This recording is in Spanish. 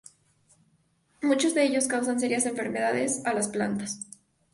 Muchos de ellos causan serias enfermedades a las plantas.